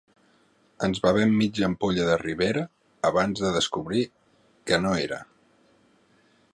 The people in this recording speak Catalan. Ens bevem mitja ampolla de Ribera abans de descobrir que no ho era.